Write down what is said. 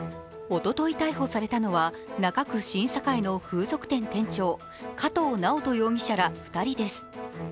おととい逮捕されたのは中区新栄の風俗店店長加藤直人容疑者ら２人です。